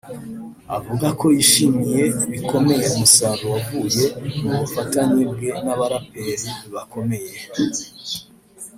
avuga ko yishimiye bikomeye umusaruro wavuye mu bufatanye bwe n’aba baraperi bakomeye